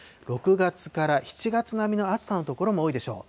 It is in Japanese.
６月から７月並みの暑さの所も多いでしょう。